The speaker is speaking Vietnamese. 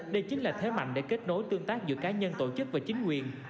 đây chính là thế mạnh để kết nối tương tác giữa cá nhân tổ chức và chính quyền